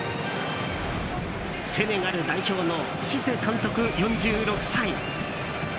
セネガル代表のシセ監督、４６歳。